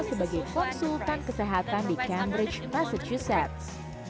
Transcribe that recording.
sebagai konsultan kesehatan di cambridge massachusetts